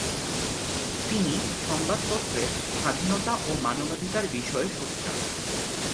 তিনি সংবাদপত্রের স্বাধীনতা ও মানবাধিকার বিষয়ে সোচ্চার।